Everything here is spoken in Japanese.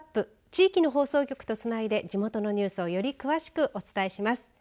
地域の放送局とつないで地元のニュースをより詳しくお伝えします。